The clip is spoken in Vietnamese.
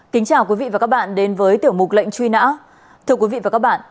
kính chào quý vị và các bạn đến với tiểu mục lệnh truy nã